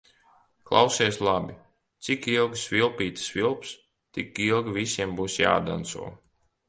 Klausies labi: cik ilgi svilpīte svilps, tik ilgi visiem būs jādanco.